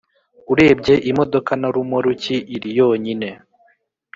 Urebye imodoka na romoruki iri yonyine